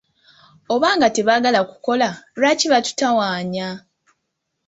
Oba nga tebaagala kukola, lwaki batutawaanya?